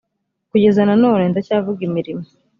kugeza none ndacyavuga imirimo